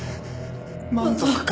満足か？